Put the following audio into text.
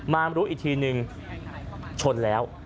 มารู้อีกทีนึงชนแล้ว